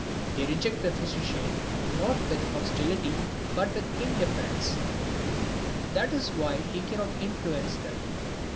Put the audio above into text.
They reject the physician not with hostility, but with indifference. That is why he cannot influence them.